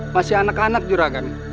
masih anak anak juragan